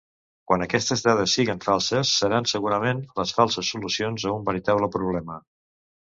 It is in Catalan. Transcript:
Quan aquestes dades siguen falses, seran segurament les falses solucions a un veritable problema.